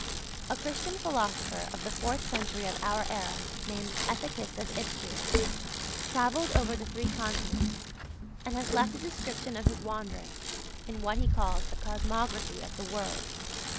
A Christian philosopher of the fourth century of our era, named Ethicus of Istria, travelled over the three continents, and has left a description of his wanderings, in what he calls a 'Cosmography' of the World.